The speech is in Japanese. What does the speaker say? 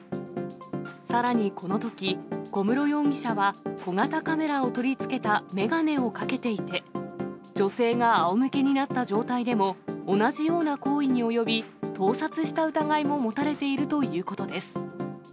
さらにこのとき、小室容疑者は小型カメラを取り付けた眼鏡をかけていて、女性があおむけになった状態でも、同じような行為に及び、盗撮した疑いも持たれているということです。